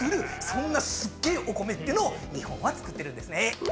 そんなすっげえお米ってのを日本は作ってるんですね。